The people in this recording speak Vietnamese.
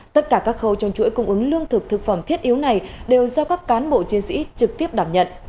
tất cả các khâu trong chuỗi cung ứng lương thực thực phẩm thiết yếu này đều do các cán bộ chiến sĩ trực tiếp đảm nhận